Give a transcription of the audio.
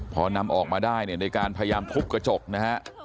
พอนำออกมาได้เนี่ยในการพยายามทุบกระจกนะฮะ